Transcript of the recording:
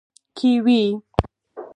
🥝 کیوي